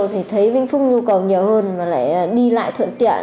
thì thấy vĩnh phúc nhu cầu nhiều hơn và lại đi lại thuận tiện